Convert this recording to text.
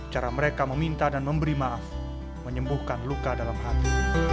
cara mereka meminta dan memberi maaf menyembuhkan luka dalam hati